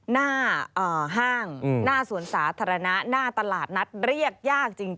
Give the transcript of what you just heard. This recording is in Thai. หน้าห้างหน้าสวนสาธารณะหน้าตลาดนัดเรียกยากจริง